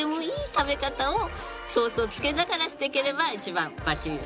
食べ方をソースをつけながらしていければ一番ばっちりです。